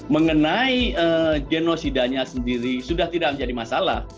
mengenai genosidanya sendiri sudah tidak menjadi masalah